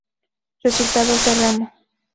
Resultados de remo